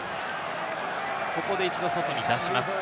ここで一度、外に出します。